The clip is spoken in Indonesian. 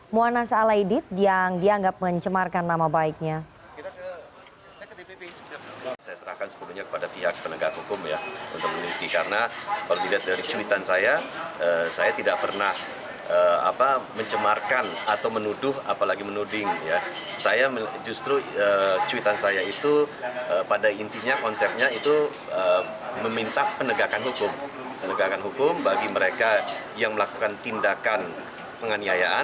muwanaz alaidit yang dianggap mencemarkan nama baiknya